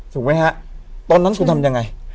ถูกไหมฮะตอนนั้นคุณทำยังไง